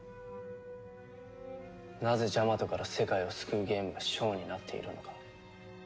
なぜジャマトから世界を救うゲームがショーになっているのか。